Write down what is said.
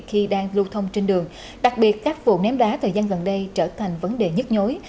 khi đang lưu thông trên đường đặc biệt các vụ ném đá thời gian gần đây trở thành vấn đề nhức nhối